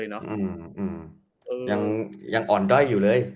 ยังอ่อนด้อยอยู่เลย